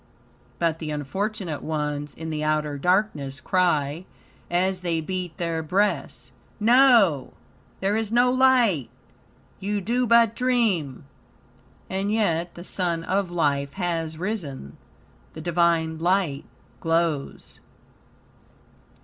But the unfortunate ones in the outer darkness cry, as they beat their breasts; "No! There is no light! You do but dream!" And yet the Sun of Life has risen the Divine light glows.